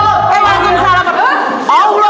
oh ini bisa aja sih